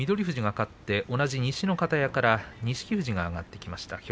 富士勝って同じ西の方屋から錦富士が上がってきました。